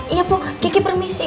iya bu ki permisi